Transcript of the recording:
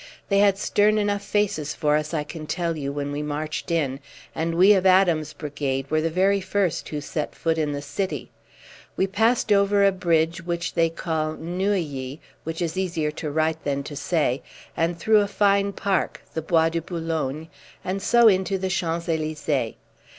They had stern enough faces for us, I can tell you, when we marched in, and we of Adams' brigade were the very first who set foot in the city. We passed over a bridge which they call Neuilly, which is easier to write than to say, and through a fine park the Bois de Boulogne, and so into the Champs d'Elysees.